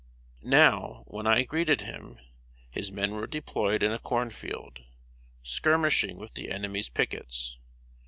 Now, when I greeted him, his men were deployed in a corn field, skirmishing with the enemy's pickets.